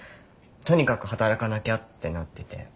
とにかく働かなきゃってなってて。